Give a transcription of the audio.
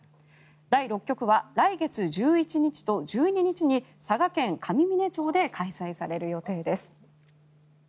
第６局は来月１１日と１２日に佐賀県上峰町で開催される予定です。